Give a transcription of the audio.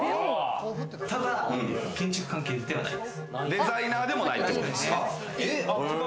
ただ、建築関係ではないです。